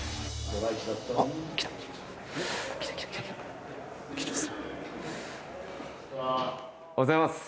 おはようございます。